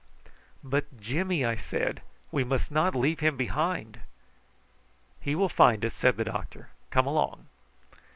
"But Jimmy!" I said. "We must not leave him behind." "He will find us," said the doctor. "Come along."